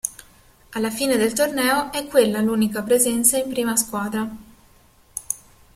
Alla fine del torneo è quella l'unica presenza in prima squadra.